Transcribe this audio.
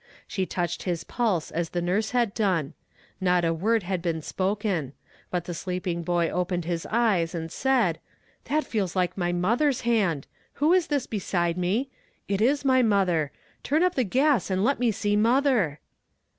She touched his pulse as the nurse had done. Not a word had been spoken; but the sleeping boy opened his eyes and said: 'That feels like my mother's hand! Who is this beside me? It is my mother; turn up the gas and let me see mother!'